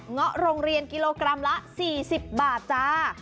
เงาะโรงเรียนกิโลกรัมละ๔๐บาทจ้า